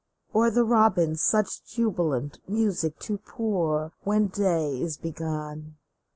Or the robin such jubilant music to pour When day is begun